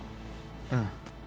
うん。